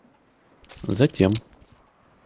затем